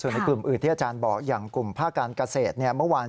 ในกลุ่มอื่นที่อาจารย์บอกกลุ่มภาคการเกษตร